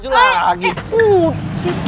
lo lagi yang gak punya otak